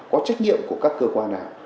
có trách nhiệm của các cơ quan nào